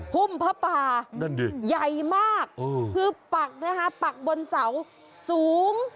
หุ่มผ้าป่าใหญ่มากคือปักบนเสาสูง